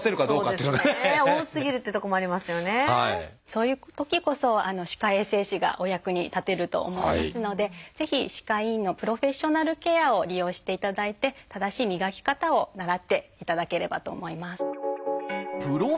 そういうときこそ歯科衛生士がお役に立てると思いますのでぜひ歯科医院のプロフェッショナルケアを利用していただいて正しい磨き方を習っていただければと思います。